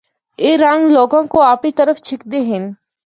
اے رنگ لوگاں کو اپنڑی طرف چِکھدے ہن۔